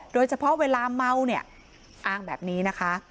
โดยเฉพาะเวลาเมาเนี่ยอ้างแบบนี้นะคะ